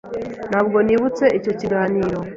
Ntabwo nibutse icyo kiganiro.